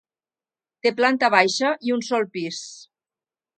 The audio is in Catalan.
Té planta baixa i un sol pis.